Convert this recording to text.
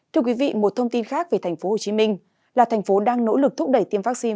thưa quý vị một thông tin khác về tp hcm là thành phố đang nỗ lực thúc đẩy tiêm vaccine